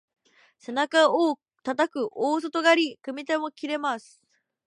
背中をたたく大外刈り、組み手も切れます。